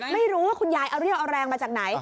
ไม่รู้ว่าคุณยายเอาเรี่ยวเอาแรงมาจากไหน